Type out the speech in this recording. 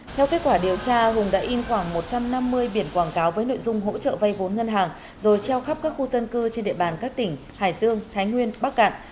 theo kết quả điều tra hùng đã in khoảng một trăm năm mươi biển quảng cáo với nội dung hỗ trợ vay vốn ngân hàng rồi treo khắp các khu dân cư trên địa bàn các tỉnh hải dương thái nguyên bắc cạn